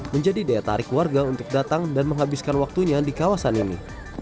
menjadi daya tarik warga untuk datang dan menghabiskan waktunya di kawasan ini